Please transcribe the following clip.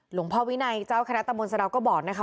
หลวงพ่อวินัยเจ้าคณะตำบลสะดาวก็บอกนะคะ